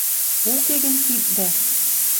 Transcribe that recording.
Уке гӹнь киддӓ